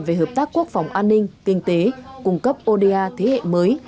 về hợp tác quốc phòng an ninh kinh tế cung cấp oda thế hệ mới